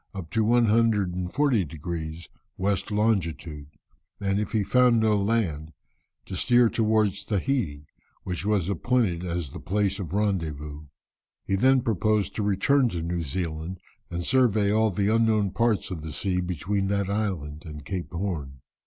up to 140 degrees west longitude, and if he found no land, to steer towards Tahiti, which was appointed as the place of rendezvous. He then proposed to return to New Zealand and survey all the unknown parts of the sea between that island and Cape Horn.